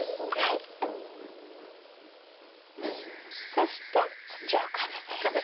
そして土をかぶせるんですか？